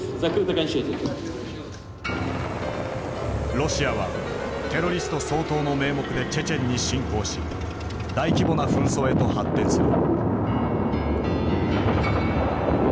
ロシアはテロリスト掃討の名目でチェチェンに侵攻し大規模な紛争へと発展する。